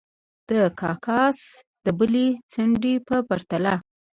د کاساس د بلې څنډې په پرتله.